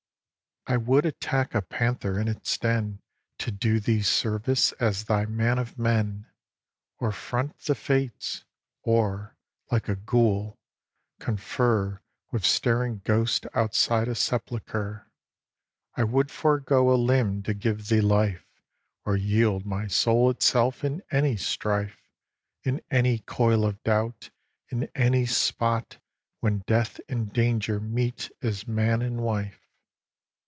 I would attack a panther in its den To do thee service as thy man of men, Or front the Fates, or, like a ghoul, confer With staring ghosts outside a sepulchre. I would forego a limb to give thee life, Or yield my soul itself in any strife, In any coil of doubt, in any spot When Death and Danger meet as man and wife.